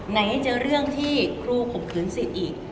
ไหนเจอเรื่องที่ครูข่มขืนสิทธิ์อีก